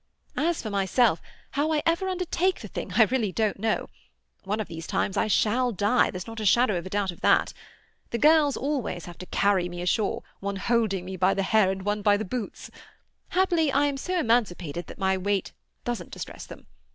"As for myself, how I ever undertake the thing I really don't know. One of these times I shall die; there's not a shadow of doubt of that. The girls always have to carry me ashore, one holding me by the hair and one by the boots. Happily, I am so emaciated that my weight doesn't distress them.